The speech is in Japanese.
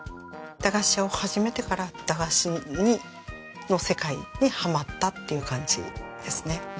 駄菓子屋を始めてから駄菓子の世界にハマったっていう感じですね。